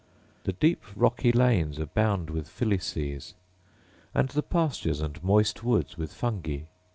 The deep rocky lanes abound with filices, and the pastures and moist woods with fungi.